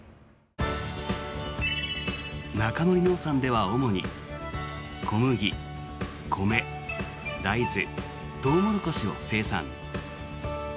中森農産では主に小麦、米、大豆トウモロコシを生産。